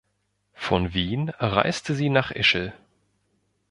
Von Wien reiste sie nach Ischl.